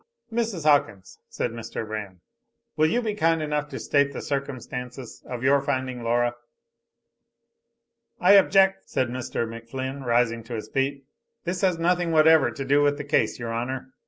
"Mrs. Hawkins," said Mr. Braham, "will you' be kind enough to state the circumstances of your finding Laura?" "I object," said Mr. McFlinn; rising to his feet. "This has nothing whatever to do with the case, your honor.